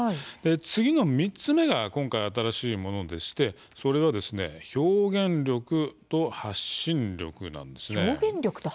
次の３つ目が今回新しいものでしてそれは表現力と発信力です。